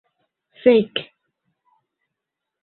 Fek'